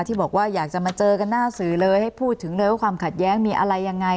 ที่บอกว่าอยากจะมาเจอกันหน้าสื่อเลยให้พูดถึงเลยว่าความขัดแย้งมีอะไรยังไง